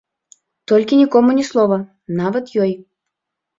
Толькі нікому ні слова, нават ёй.